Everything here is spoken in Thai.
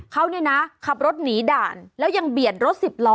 เขาเนี่ยนะขับรถหนีด่านแล้วยังเบียดรถสิบล้อ